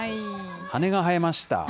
羽が生えました。